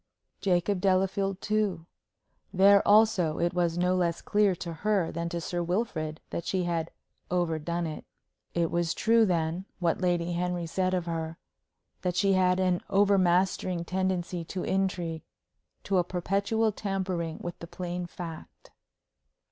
Jacob Delafield, too. There also it was no less clear to her than to Sir Wilfrid that she had "overdone it." It was true, then, what Lady Henry said of her that she had an overmastering tendency to intrigue to a perpetual tampering with the plain fact?